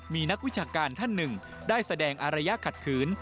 มีนักวิชาการท่านหนึ่งได้แสดงอารยะขัดขืน